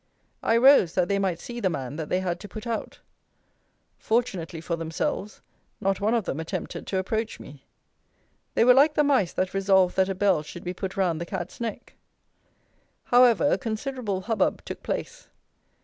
I rose, that they might see the man that they had to put out. Fortunately for themselves, not one of them attempted to approach me. They were like the mice that resolved that a bell should be put round the cat's neck! However, a considerable hubbub took place.